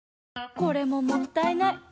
これももったいない。